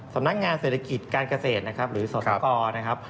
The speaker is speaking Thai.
สำนักงานเศรษฐกิจการเกษตรหรือสนุกร